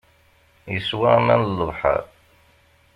Yeswa aman n lebḥeṛ.